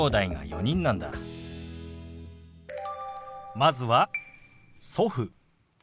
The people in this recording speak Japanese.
まずは「祖父」。